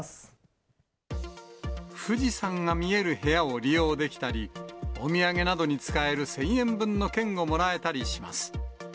富士山が見える部屋を利用できたり、お土産などに使える１０００円分の券をもらえたりします。